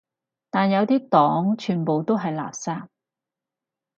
但有啲黨全部都係垃圾